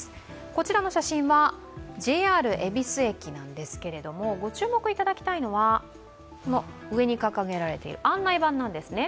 こちらの写真はＪＲ恵比寿駅なんですけれども、ご注目いただきたいのは、上に掲げられている案内板なんですね。